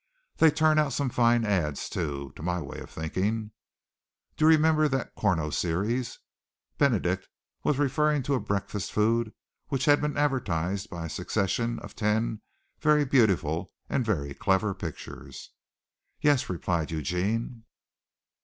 They turn out some fine ads, too, to my way of thinking. Do you remember that Korno series?" Benedict was referring to a breakfast food which had been advertised by a succession of ten very beautiful and very clever pictures. "Yes," replied Eugene.